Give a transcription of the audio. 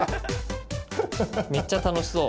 めっちゃ楽しそう。